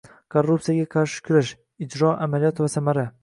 Korrupsiyaga qarshi kurash: ijro, amaliyot va samara